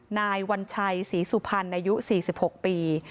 นายวัญชัยศรีสุพรรณอายุ๔๖ปี